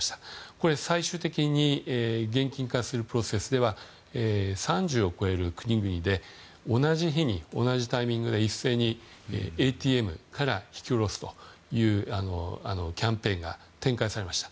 これは最終的に現金化するプロセスでは３０を超える国々で同じ日に、同じタイミングで一斉にＡＴＭから引き下ろすというキャンペーンが展開されました。